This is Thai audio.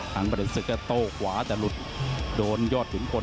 หังไปเดินสิ้งแก้โต้ขวาแต่หลุดโดนยอดขุมพล